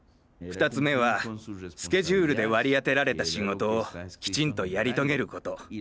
２つ目はスケジュールで割り当てられた仕事をきちんとやり遂げること。